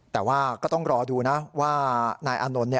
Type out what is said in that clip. แต่ว่าก็ต้องรอดูนะว่านายอานนท์